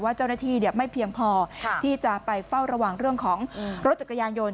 เจ้าหน้าที่ไม่เพียงพอที่จะไปเฝ้าระวังเรื่องของรถจักรยานยนต์